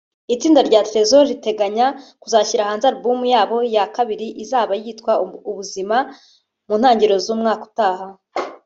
Itsinda rya Trezzor riteganya kuzashyira hanze album yabo ya kabiri izaba yitwa ‘Ubuzima’ mu ntangiriro z’umwaka utaha